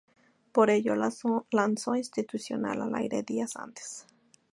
Por ello, lanzó un institucional al aire días antes.